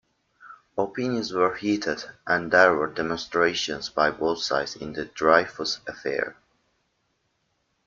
Opinions were heated and there were demonstrations by both sides in the Dreyfus affair.